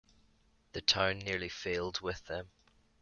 The town nearly failed with them.